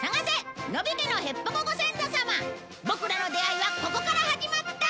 ボクらの出会いはここから始まった！